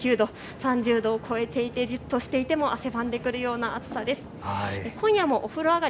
さらに６時半現在の気温も３２．９度、３０度を超えていてじっとしていても汗ばんでくるような暑さです。